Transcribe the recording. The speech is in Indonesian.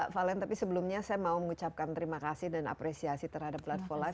valen tapi sebelumnya saya mau mengucapkan terima kasih dan apresiasi terhadap blood for life